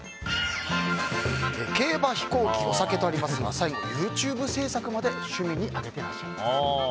競馬、飛行機、お酒とありますが最後にＹｏｕＴｕｂｅ制作まで趣味に挙げていらっしゃいます。